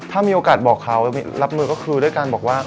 ถ้ามีโอกาสบอกเขารับมือก็คือด้วยการบอกว่า